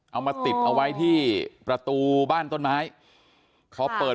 เอามาติดเอาไว้ที่ประตูบ้านต้นไม้